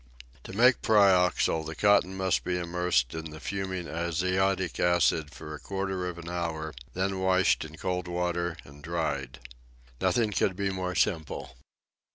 To make pyroxyle, the cotton must be immersed in the fuming azotic acid for a quarter of an hour, then washed in cold water and dried. Nothing could be more simple.